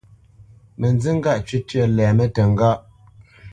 Mə nzí ŋgâʼ cwítyə́ lɛmə́ təŋgáʼ.